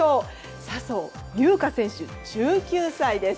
笹生優花選手、１９歳。